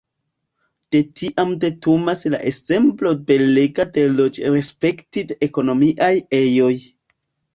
De tiam datumas la ensemblo belega de loĝ- respektive ekonomiaj ejoj.